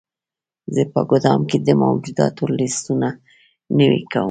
زه په ګدام کې د موجوداتو لیستونه نوي کوم.